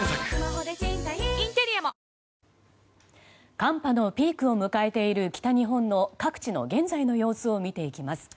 寒波のピークを迎えている北日本の各地の現在の様子を見ていきます。